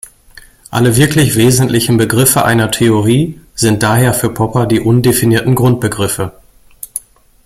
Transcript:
Alle wirklich wesentlichen Begriffe einer Theorie sind daher für Popper die undefinierten Grundbegriffe.